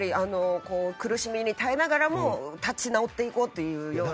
苦しみに耐えながらも立ち直っていこうという姿を。